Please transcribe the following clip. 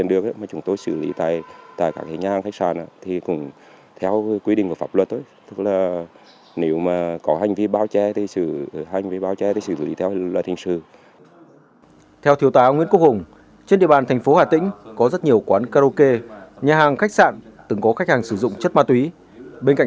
đối với một số nhà hàng khách sạn quán karaoke trên địa bàn